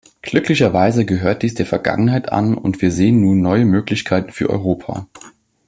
Glücklicherweise gehört dies der Vergangenheit an und wir sehen nun neue Möglichkeiten für Europa.